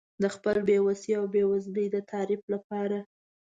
د خپل بې وسۍ او بېوزلۍ د تعریف لپاره.